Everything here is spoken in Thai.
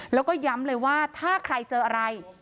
แล้วก็ย้ำเลยว่าถ้าใครเจออะไร